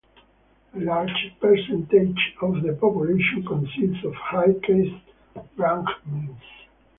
A large percentage of the population consists of high caste Brahmins.